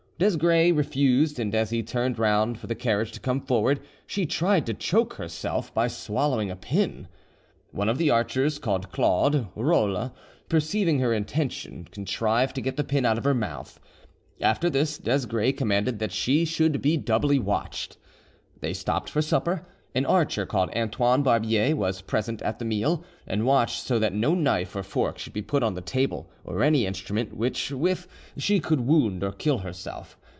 Desgrais refused, and as he turned round for the carriage to come forward, she tried to choke herself by swallowing a pin. One of the archers, called Claude, Rolla, perceiving her intention, contrived to get the pin out of her mouth. After this, Desgrais commanded that she should be doubly watched. They stopped for supper. An archer called Antoine Barbier was present at the meal, and watched so that no knife or fork should be put on the table, or any instrument with which she could wound or kill herself.